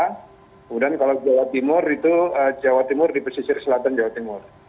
kemudian kalau jawa timur itu jawa timur di pesisir selatan jawa timur